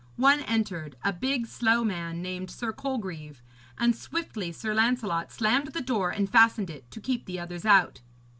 One entered, a big slow man, named Sir Colgreve, and swiftly Sir Lancelot slammed the door and fastened it, to keep the others out.